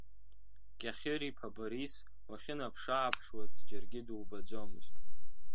Кьахьыриԥа Борис уахьынаԥшааԥшуаз џьаргьы дубаӡомызт.